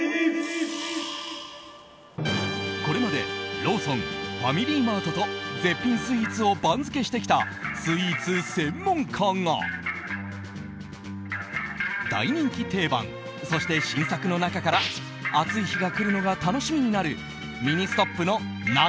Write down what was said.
これまでローソン、ファミリーマートと絶品スイーツを番付してきたスイーツ専門家が大人気定番、そして新作の中から暑い日が来るのが楽しみになるミニストップの夏